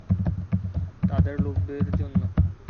তাদের লোভের জন্য।